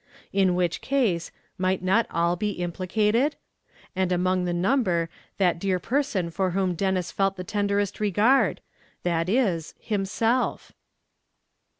In which case, might not all be implicated? and among the number that dear person for whom Denis felt the tenderest regard viz., himself?